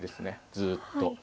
ずっと。